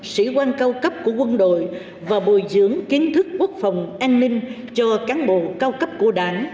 sĩ quan cao cấp của quân đội và bồi dưỡng kiến thức quốc phòng an ninh cho cán bộ cao cấp của đảng